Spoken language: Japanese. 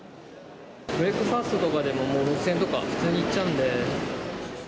ブレックファストとかでも、６０００円とか、普通にいっちゃうんで。